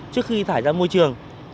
trước khi thải môi trường